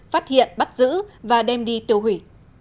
phát hiện bắt giữ và đem đi tiêu hủy